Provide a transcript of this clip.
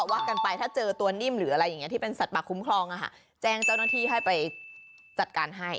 ว่ากันไปถ้าเจอตัวนิ่มหรืออะไรอย่างนี้ที่เป็นสัตว์คุ้มครองแจ้งเจ้าหน้าที่ให้ไปจัดการให้